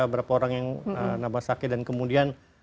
berapa orang yang nabah sakit dan kemudian